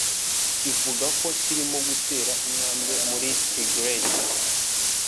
kivuga ko kirimo gutera intambwe muri Tigray